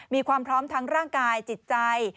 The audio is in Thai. มีความพร้อมทั้งร่างกายจิตใจ